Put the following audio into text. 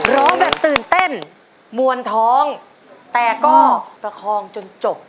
ร้องแบบตื่นเต้นมวลท้องแต่ก็ประคองจนจบ